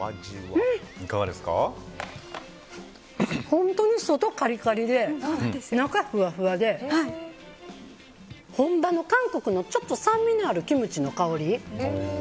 本当に外、カリカリで中、ふわふわで本場の韓国の酸味のあるキムチの香り。